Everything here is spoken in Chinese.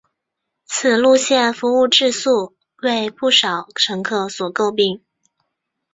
此路线服务质素为不少乘客所诟病。